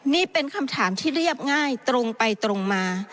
นี่เป็นคำถามที่เรียบง่ายตรงไปตรงมา